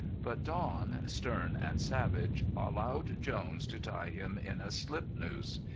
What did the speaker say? But Don, stern and savage, allowed Jones to tie him in a slip noose.